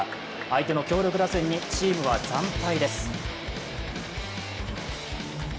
相手の強力打線にチームは惨敗です。